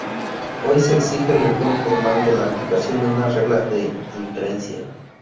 Hoy se exige el rigor formal de la aplicación de una regla de inferencia.